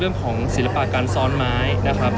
คุณต้องไปคุยกับทางเจ้าหน้าที่เขาหน่อย